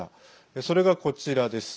それが、こちらです。